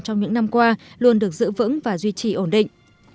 trong những năm qua luôn được giữ vững và duy trì ổn định